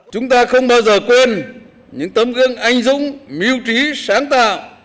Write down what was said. chúng ta không bao giờ quên những tấm gương anh dũng miêu trí sáng tạo